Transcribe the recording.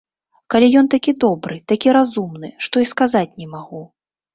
Калі ён такі добры, такі разумны, што і сказаць не магу.